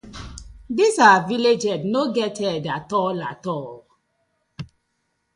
Dis our villag head no get head atoll atoll oo.